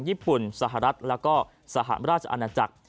ญี่ปุ่นสหรัฐแล้วก็สหราชอาณาจักร